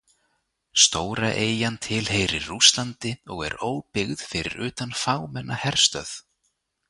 Stóra eyjan tilheyrir Rússlandi og er óbyggð fyrir utan fámenna herstöð.